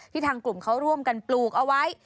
ทางกลุ่มเขาร่วมกันปลูกเอาไว้